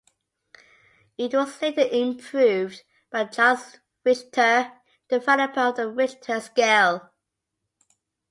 It was later improved by Charles Richter, developer of the Richter scale.